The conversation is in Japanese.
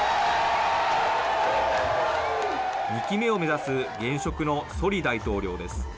２期目を目指す現職のソリ大統領です。